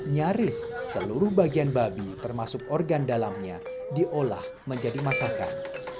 nyaris seluruh bagian babi termasuk organ dalamnya diolah menjadi masakan